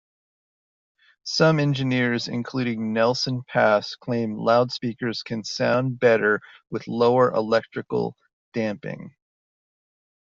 Some engineers, including Nelson Pass claim loudspeakers can sound "better" with lower electrical damping.